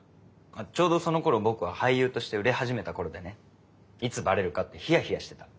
ちょうどそのころ僕は俳優として売れ始めた頃でねいつバレるかってヒヤヒヤしてた。